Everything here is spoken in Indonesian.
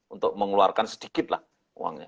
untuk mengeluarkan sedikitlah uangnya